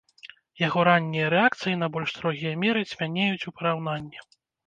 Яго раннія рэакцыі на больш строгія меры цьмянеюць ў параўнанні.